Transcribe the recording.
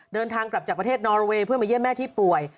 เดินทางกลับจากประเทศนอรเวย์เพื่อมาเยี่ยมแม่ที่ป่วย